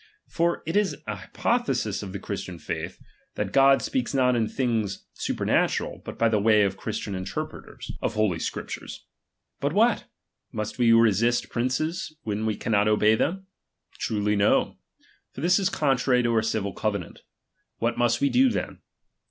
For it is an hypothesis of the Chris tian faith, that God speaks not in things super natural but by the way of Christian interpreters I 6lb RELIGION. II of holy Scriptures. But what r Must we resist ■ princes, when we cannot obey them ? Truly, no ; for this is contrary to our civil covenaDt. What must we do then